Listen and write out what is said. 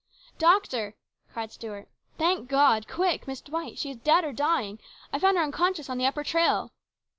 " Doctor !" cried Stuart. " Thank God ! Quick ! Miss Dwight ! She is dead or dying ! I found her unconscious on the upper trail